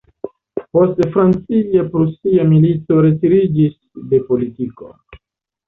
Post Francia-Prusia Milito retiriĝis de politiko.